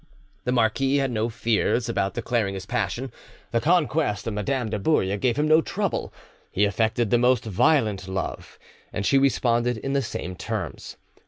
The marquis had no fears about declaring his passion; the conquest of Madame de Bouille gave him no trouble; he affected the most violent love, and she responded in the same terms.